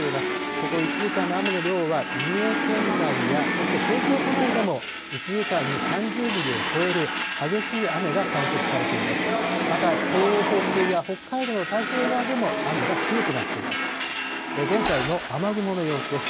ここ１時間の雨の量は三重県内や、そして東京都内でも１時間に３０ミリを超える、激しい雨が観測されています。